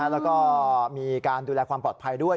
แล้วก็มีการดูแลความปลอดภัยด้วย